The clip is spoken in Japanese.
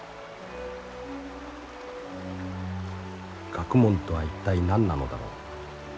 「学問とは一体何なのだろう？